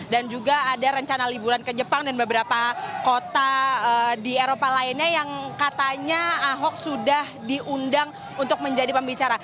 dan juga ada rencana liburan ke jepang dan beberapa kota di eropa lainnya yang katanya ahok sudah diundang untuk menjadi pembicara